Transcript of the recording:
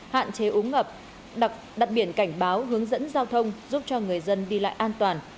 hạn chế úng ngập đặt biển cảnh báo hướng dẫn giao thông giúp cho người dân đi lại an toàn